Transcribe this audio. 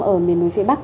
ở miền núi phía bắc